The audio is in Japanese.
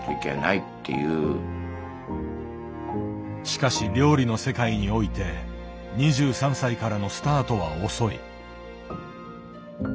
しかし料理の世界において２３歳からのスタートは遅い。